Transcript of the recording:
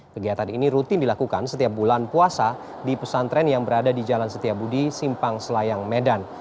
kegiatan ini rutin dilakukan setiap bulan puasa di pesantren yang berada di jalan setiabudi simpang selayang medan